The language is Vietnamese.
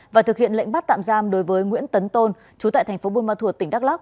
và thực hiện lệnh bắt tạm giam đối với nguyễn tấn tôn chú tại thành phố buôn ma thuột tỉnh đắk lắc